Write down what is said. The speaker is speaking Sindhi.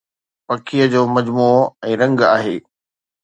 پکيءَ جو مجموعو ۽ رنگ آهي